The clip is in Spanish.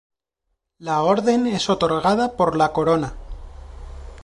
La Orden es otorgada por la corona.